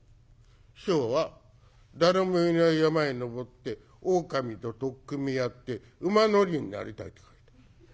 師匠は「誰もいない山へ登って狼と取っ組み合って馬乗りになりたい」と書いた。